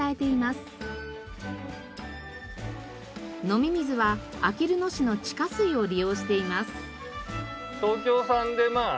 飲み水はあきる野市の地下水を利用しています。